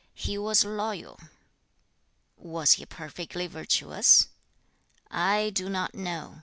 'He was loyal.' 'Was he perfectly virtuous?' 'I do not know.